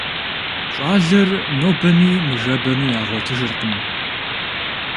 ЩӀалэр нобэми ныжэбэми ягъуэтыжыркъым.